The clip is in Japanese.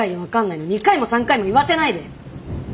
２回も３回も言わせないで。